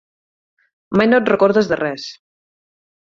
Mai no et recordes de res.